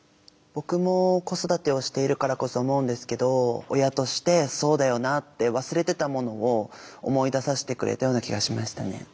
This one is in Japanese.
僕も子育てをしているからこそ思うんですけど親としてそうだよなって忘れてたものを思い出させてくれたような気がしましたね。